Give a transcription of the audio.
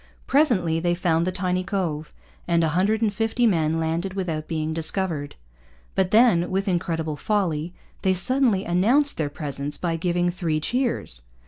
Presently they found the tiny cove, and a hundred and fifty men landed without being discovered. But then, with incredible folly, they suddenly announced their presence by giving three cheers.